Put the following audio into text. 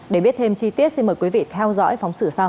để biết thêm chi tiết xin mời quý vị theo dõi phóng sự sau